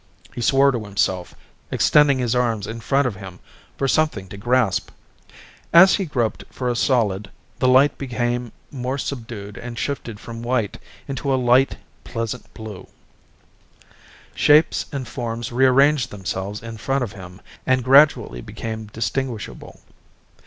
He swore to himself, extending his arms in front of him for something to grasp. As he groped for a solid, the light became more subdued and shifted from white into a light, pleasant blue. Shapes and forms rearranged themselves in front of him and gradually became distinguishable.